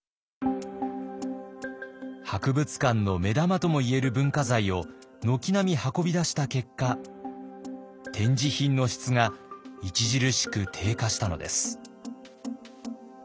博物館の目玉とも言える文化財を軒並み運び出した結果展示品の質が著しく低下したのです。